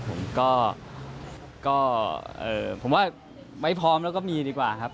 ผมก็ผมว่าไม่พร้อมแล้วก็มีดีกว่าครับ